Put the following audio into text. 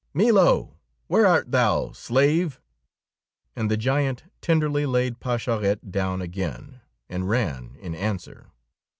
"Milo! Where art thou, slave!" And the giant tenderly laid Pascherette down again, and ran in answer.